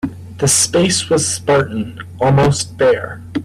The space was spartan, almost bare.